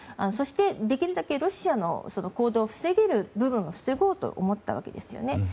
そして、できるだけロシアの行動を防げる部分は防ごうと思ったわけですよね。